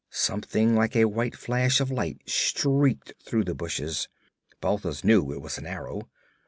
Something like a white flash of light streaked through the bushes. Balthus knew it was an arrow.